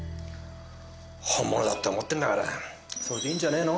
本物だって思ってんだからそれでいいんじゃねぇの？